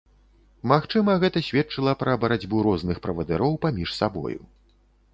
Магчыма, гэта сведчыла пра барацьбу розных правадыроў паміж сабою.